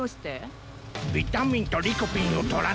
ビタミンとリコピンをとらないとな！